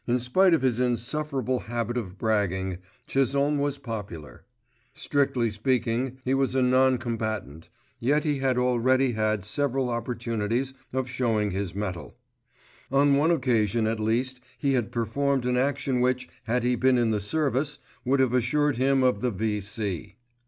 In spite of his insufferable habit of bragging, Chisholme was popular. Strictly speaking he was a non combatant; yet he had already had several opportunities of showing his mettle. On one occasion at least he had performed an action which, had he been in the Service, would have assured him of the V.C.